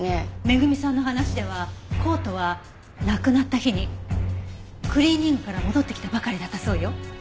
恵美さんの話ではコートは亡くなった日にクリーニングから戻ってきたばかりだったそうよ。